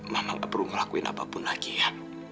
mana gak perlu ngelakuin apapun lagi ya